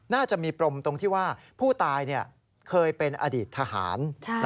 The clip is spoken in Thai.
น่าจะมีปรมตรงที่ว่าผู้ตายเคยเป็นอดีตทหาร